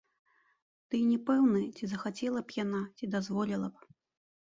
Дый не пэўны, ці захацела б яна, ці дазволіла б?